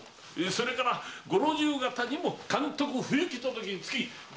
それからご老中方にも監督不行き届きにつき厳重なご注意を！